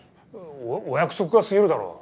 お約束が過ぎるだろ！